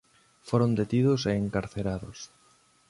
Foron detidos e encarcerados.